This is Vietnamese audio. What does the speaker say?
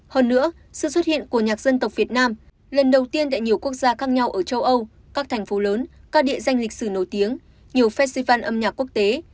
hơn nữa sự xuất hiện của nhạc dân tộc việt nam lần đầu tiên tại nhiều quốc gia khác nhau ở châu âu các thành phố lớn các địa danh lịch sử nổi tiếng nhiều festival âm nhạc quốc tế